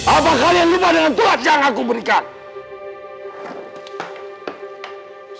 apa kalian lima dengan tuas yang aku berikan